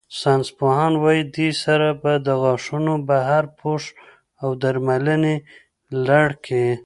ساینسپوهان وايي، دې سره به د غاښونو بهرني پوښ او درملنې لړ کې